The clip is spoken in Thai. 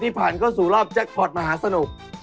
ผ่านเข้าสู่รอบแจ็คพอร์ตมหาสนุก